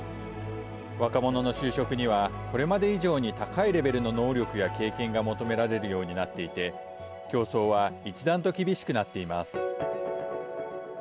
若者の就職にはこれまで以上に高いレベルの能力や経験が求められるようになっていて競争は一段と厳しくなっています。